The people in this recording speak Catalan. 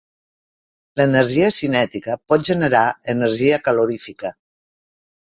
L'energia cinètica pot generar energia calorífica.